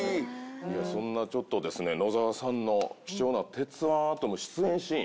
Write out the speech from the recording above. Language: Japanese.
そんなちょっとですね野沢さんの貴重な『鉄腕アトム』出演シーン。